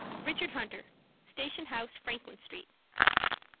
"RICHARD HUNTER." "_Station House, Franklin Street.